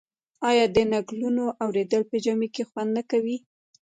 آیا د نکلونو اوریدل په ژمي کې خوند نه کوي؟